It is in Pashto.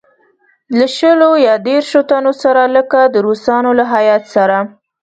له شلو یا دېرشوتنو سره لکه د روسانو له هیات سره.